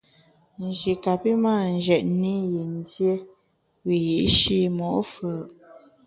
Nji kapi mâ njetne i yin dié wiyi’shi mo’ fù’.